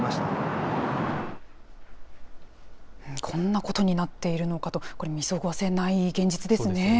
こんなことになっているのかと、これ、見過ごせない現実ですね。